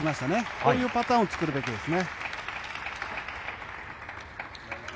こういうパターンを作っていくべきですね。